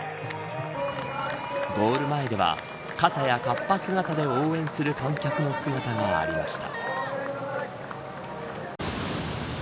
ゴール前では、傘やかっぱ姿で応援する観客の姿がありました。